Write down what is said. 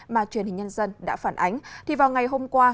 mà truyền hình nhân dân đã phản ánh thì vào ngày hôm qua